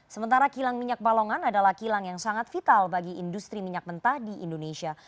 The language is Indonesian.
sementara kilang minyak balongan adalah kilang yang sangat vital bagi industri minyak mentah di indonesia